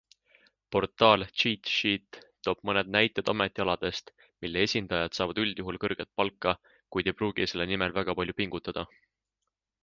Portaal CheatSheet toob mõned näited ametialadest, mille esindajad saavad üldjuhul kõrget palka, kuid ei pruugi selle nimel väga palju pingutada.